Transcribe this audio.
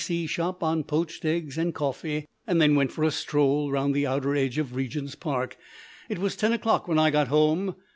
B.C." shop on poached eggs and coffee, and then went for a stroll round the outer edge of Regent's Park. It was ten o'clock when I got home.